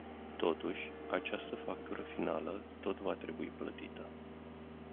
Totuși, această factură finală tot va trebui plătită.